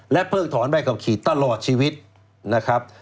เพิกถอนใบขับขี่ตลอดชีวิตนะครับ